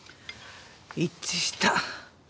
一致した。